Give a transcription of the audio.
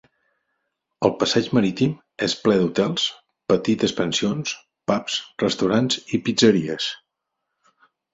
El passeig marítim és ple d'hotels, petites pensions, pubs, restaurants i pizzeries.